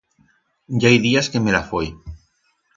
I hai días que me la foi.